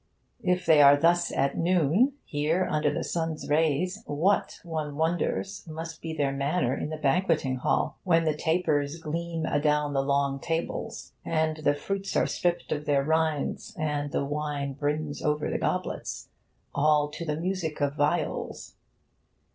If they are thus at noon, here under the sun's rays, what, one wonders, must be their manner in the banqueting hall, when the tapers gleam adown the long tables, and the fruits are stripped of their rinds, and the wine brims over the goblets, all to the music of the viols?